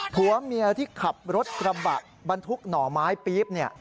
ผัวเมียที่ขับรถกระบะบรรทุกหน่อไม้ปี๊บเนี่ย